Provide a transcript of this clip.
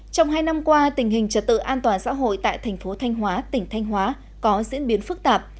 trong hai năm qua tình hình trật tự an toàn xã hội tại thành phố thanh hóa tỉnh thanh hóa có diễn biến phức tạp